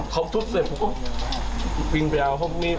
แควะทั้งคืนครั้งงี้ผมจะนอนเงียบ